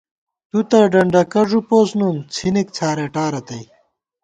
تُوتہ ڈنڈَکہ ݫُپوس نُن، څِھنِک څھارېٹا رتئ